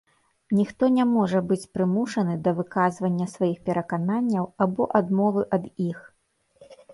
Ніхто не можа быць прымушаны да выказвання сваіх перакананняў або адмовы ад іх.